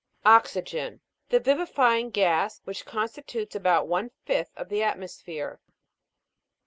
OX'YGEN. The vivifying gas, which constitutes about one fifth of the atmosphere.